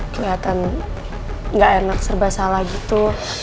keliatan gak enak serba salah gitu